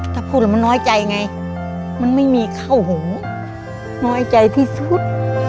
ถ้าพูดแล้วมันน้อยใจไงมันไม่มีเข้าหูน้อยใจที่สุด